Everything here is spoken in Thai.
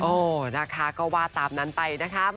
โอ้นะคะก็ว่าตามนั้นไปนะครับ